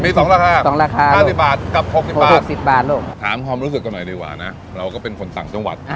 มี๒ราคา๒ราคา๕๐บาทกับ๖๐บาทลูกถามความรู้สึกกันหน่อยดีกว่านะเราก็เป็นคนต่างจังหวัด